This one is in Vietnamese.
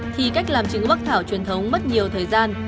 thì cách làm chứng bắc thảo truyền thống mất nhiều thời gian